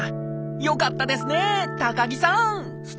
よかったですね高木さん！